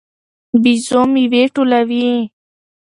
بيزو میوې ټولوي.